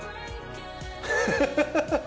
ハハハハッ！